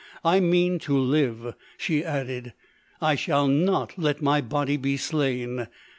I mean to live," she added. "I shall not let my body be slain!